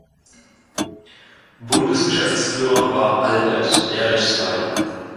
Bundesgeschäftsführer war Albert Derichsweiler.